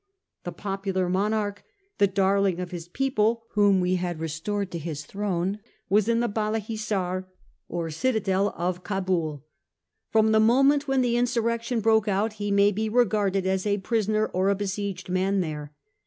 The popular monarch, the darling of Ms people, whom we had restored to his throne, was in the Balia Hissar, or citadel of Cabul. From the moment when the in surrection broke out he may be regarded as a prisoner or a besieged man there.